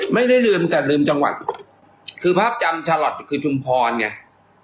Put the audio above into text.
ไม่ได้ลืมแต่ลืมจังหวัดคือภาพจำชาลอทคือชุมพรไง